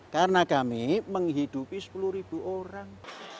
karena kami menghidupi sepuluh orang